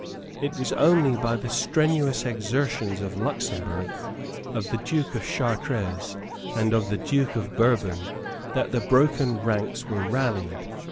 It was only by the strenuous exertions of Luxemburg, of the Duke of Chartres, and of the Duke of Bourbon, that the broken ranks were rallied.